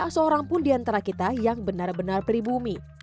tak seorang pun diantara kita yang benar benar pribumi